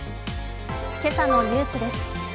今朝のニュースです。